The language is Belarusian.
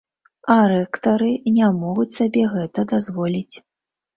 А рэктары не могуць сабе гэта дазволіць.